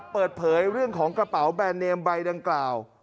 เปิดเผยเรื่องของกระเป๋าแบรนดเนมใบดังกล่าว